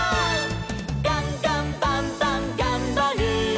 「ガンガンバンバンがんばる！」